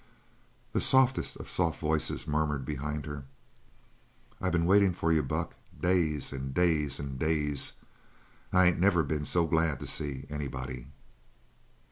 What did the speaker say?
The softest of soft voices murmured behind her: "I been waitin' for you, Buck, days and days and days. I ain't never been so glad to see anybody!"